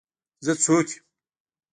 زه څوک یم.